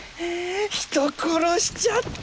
人殺しちゃった！